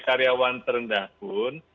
karyawan terendah pun